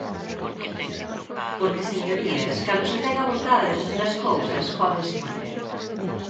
Porque, señorías, cando se ten a vontade de facer as cousas, pódense facer.